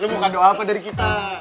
lo mau kado apa dari kita